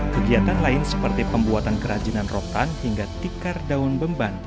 kegiatan lain seperti pembuatan kerajinan rotan hingga tikar daun beban